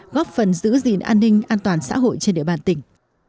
góp phần giữ gìn an ninh an toàn xã hội trên địa bàn tỉnh